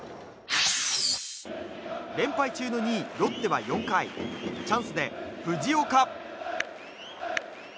連敗中の２位、ロッテは４回チャンスで藤岡。